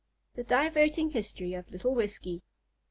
THE DIVERTING HISTORY OF LITTLE WHISKEY.